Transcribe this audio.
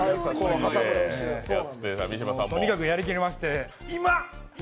とにかくやりきりまして、今！